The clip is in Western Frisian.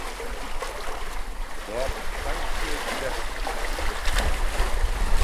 Dêr betankje ik deftich foar!